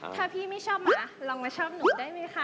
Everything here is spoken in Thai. ถ้าพี่ไม่ชอบหมาลองมาชอบหนูได้ไหมคะ